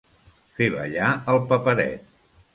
Fer ballar el paperet.